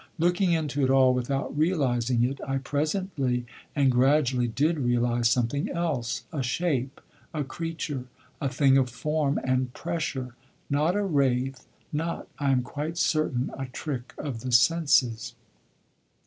Looking into it all without realising it, I presently and gradually did realise something else: a shape, a creature, a thing of form and pressure not a wraith, not, I am quite certain, a trick of the senses.